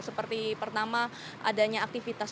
seperti pertama adanya aktivitas